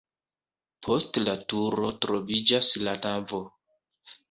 Post la turo troviĝas la navo.